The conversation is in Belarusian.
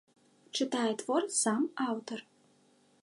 Чытае твор сам аўтар.